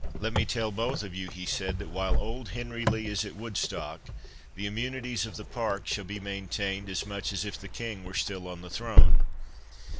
Let me tell both of you," he said, "that while old Henry Lee is at Woodstock, the immunities of the Park shall be maintained as much as if the King were still on the throne.